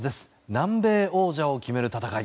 南米王者を決める戦い。